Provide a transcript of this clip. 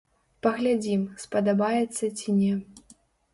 Паглядзім, спадабаецца ці не.